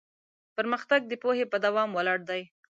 پرمختګ د پوهې په دوام ولاړ دی.